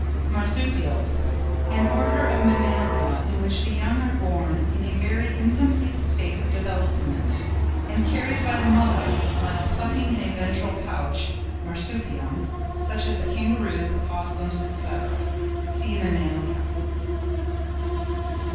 MARSUPIALS.—An order of Mammalia in which the young are born in a very incomplete state of development, and carried by the mother, while sucking, in a ventral pouch (marsupium), such as the kangaroos, opossums, &c. (see MAMMALIA).